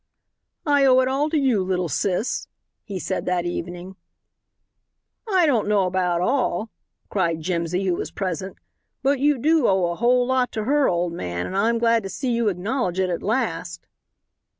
"I owe it all to you, little sis," he said that evening. "I don't know about all," cried Jimsy, who was present; "but you do owe a whole lot to her, old man, and I'm glad to see you acknowledge it at last."